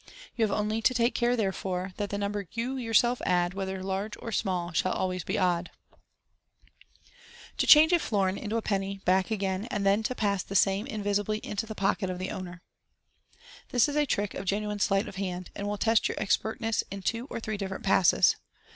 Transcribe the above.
You have only to take care, therefore, that the number you yourself add, whether large or small, shall always be odd. MODERN MAGIC. 161 To chanob a Florin into a Penny, back again, and the it TO PASS THE SAME INVISIBLY INTO THE POCKET OP THE OWNER. — This is a trick of genuine sleight of hand, and will test your expert ness in two or three different passes.